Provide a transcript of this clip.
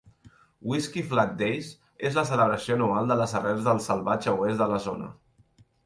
Whisky Flat Days és la celebració anual de les arrels del Salvatge Oest de la zona.